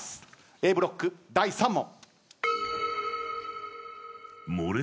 Ａブロック第３問。